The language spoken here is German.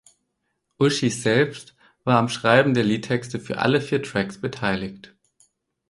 Uchis selbst war am Schreiben der Liedtexte für alle vier Tracks beteiligt.